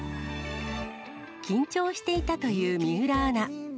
緊張していたという水卜アナ。